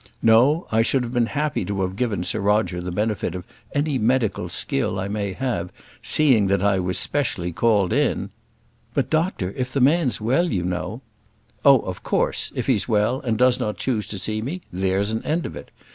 "No; I should have been happy to have given Sir Roger the benefit of any medical skill I may have, seeing that I was specially called in " "But, doctor; if the man's well, you know " "Oh, of course; if he's well, and does not choose to see me, there's an end of it.